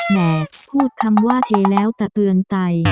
แม่พูดคำว่าเทแล้วตะเตือนไต